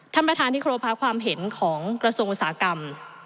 ท่านประธานที่ครบค่ะความเห็นของกระทรวงอุตสาหกรรม